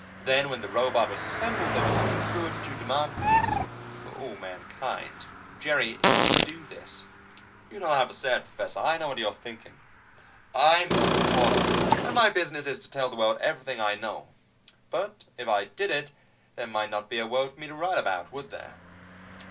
Then, when the Robot was assembled, they would speak through it to demand peace for all mankind ..." "Jerry, if you do this " "You don't have to say it, Professor, I know what you're thinking. I'm a reporter, and my business is to tell the world everything I know. But if I did it, there might not be a world for me to write about, would there?